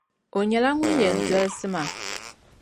O nyɛla ŋun yɛn dolsi ma.